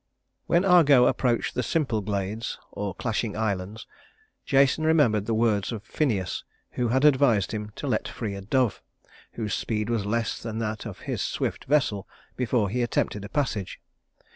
When the Argo approached the Symplegades, or Clashing Islands, Jason remembered the words of Phineus, who had advised him to let free a dove, whose speed was less than that of his swift vessel, before he attempted a passage.